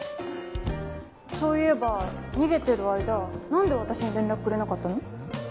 そういえば逃げてる間何で私に連絡くれなかったの？